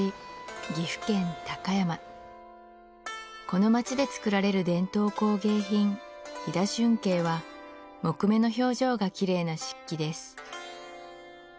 この町で作られる伝統工芸品飛騨春慶は木目の表情がきれいな漆器です